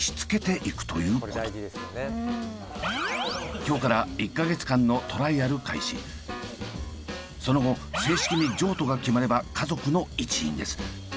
今日からその後正式に譲渡が決まれば家族の一員です。